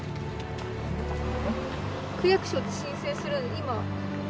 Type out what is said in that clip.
区役所で申請する今。